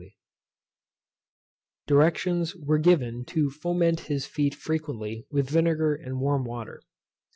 _ Directions were given to foment his feet frequently with vinegar and warm water.